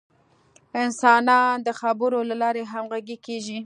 انسانان د خبرو له لارې همغږي کېږي.